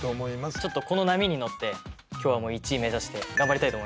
ちょっとこの波に乗って今日はもう１位目指して頑張りたいと思います。